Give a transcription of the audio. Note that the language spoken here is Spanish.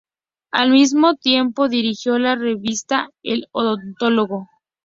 Al mismo tiempo dirigió la revista El Odontólogo.